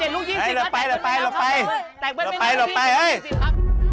๗ลูก๒๐ได้ตัวใหม่นะครับ